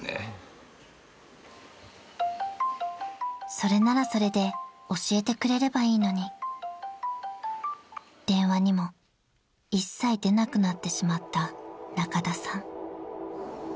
［それならそれで教えてくれればいいのに電話にも一切出なくなってしまった仲田さん］